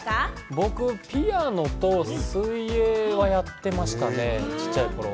僕ピアノと水泳はやっていましたね、ちっちゃい頃。